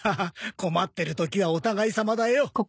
困ってる時はお互いさまだよ。